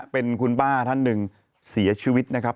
เป็นคุณป้าท่านหนึ่งเสียชีวิตนะครับ